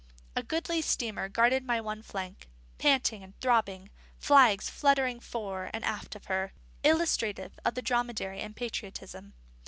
A goodly steamer guarded my one flank, panting and throbbing, flags fluttering fore and aft of her, illustrative of the Dromedary and patriotism.